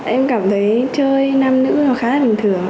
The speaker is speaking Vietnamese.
em cảm thấy chơi nam nữ nó khá là bình thường